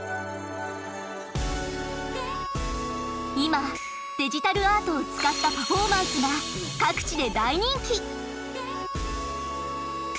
今デジタルアートを使ったパフォーマンスが各地で大人気。